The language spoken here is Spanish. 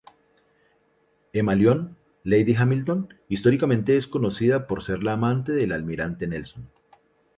Emma Lyon, Lady Hamilton: Históricamente es conocida por ser la amante del Almirante Nelson.